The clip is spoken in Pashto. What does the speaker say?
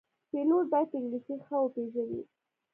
پیلوټ باید انګلیسي ښه وپېژني.